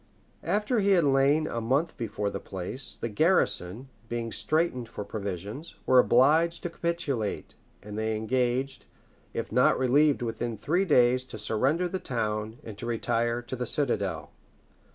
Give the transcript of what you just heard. After he had lain a month before the place, the garrison, being straitened for provisions, were obliged to capitulate; and they engaged, if not relieved within three days, to surrender the town, and to retire into the citadel.